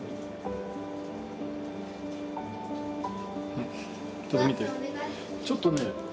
うんちょっと見てちょっとね。